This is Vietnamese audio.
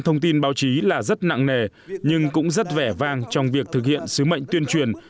thông tin báo chí là rất nặng nề nhưng cũng rất vẻ vang trong việc thực hiện sứ mệnh tuyên truyền